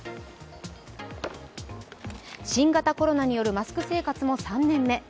新型コロナによるマスク生活も３年目。